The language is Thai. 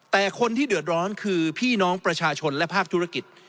แต่คนที่เดือดร้อนคือพี่น้องประชาชนและภาคธุรกิจ